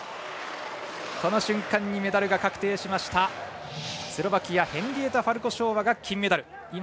この瞬間にメダルが確定しましたスロバキアヘンリエタ・ファルコショーワが金メダル。